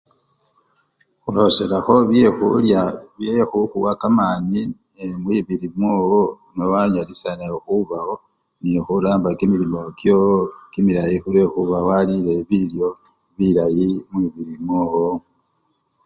Huloselaho byehulya byehuhuwa kamani mwibili mwowo nowanyalisha nawe hubawo nehuramba kimilimo kyowo kimilayi hulwehuba walile bilyo bilayi mumubili kwowo